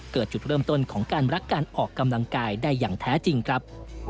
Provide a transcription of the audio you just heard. จุดเริ่มต้นของการรักการออกกำลังกายได้อย่างแท้จริงครับ